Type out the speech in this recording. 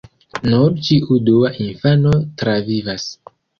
Nur ĉiu dua infano travivas.